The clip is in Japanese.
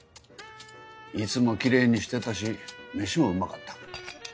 いつもきれいにしてたしメシもうまかった。